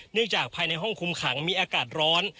จากภายในห้องคุมขังมีอากาศร้อน